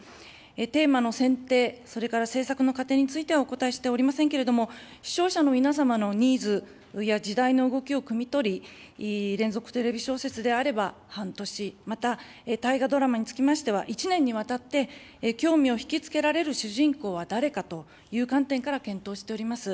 テーマの選定、それから制作の過程についてはお答えしておりませんけれども、視聴者の皆様のニーズや時代の動きをくみ取り、連続テレビ小説であれば半年、また大河ドラマにつきましては１年にわたって、興味を引き付けられる主人公は誰かという観点から検討しております。